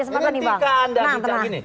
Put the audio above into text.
beri kesempatan nih bang